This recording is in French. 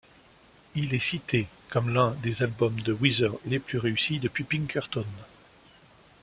Il est cité comme l'un des albums de Weezer les plus réussi depuis Pinkerton.